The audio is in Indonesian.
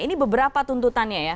ini beberapa tuntutannya ya